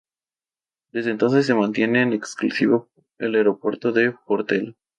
Desde entonces se mantiene en exclusiva el aeropuerto de Portela.